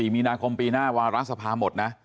มีนาคมปีหน้าวาระสภาหมดนะ